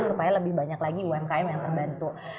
supaya lebih banyak lagi umkm yang terbantu